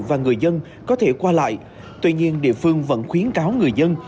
và người dân có thể qua lại tuy nhiên địa phương vẫn khuyến cáo người dân